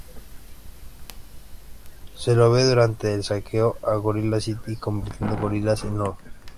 Se lo ve durante el saqueo a Gorilla City convirtiendo gorilas en oro.